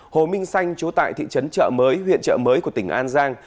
hồ minh xanh chú tại thị trấn chợ mới huyện chợ mới của tỉnh an giang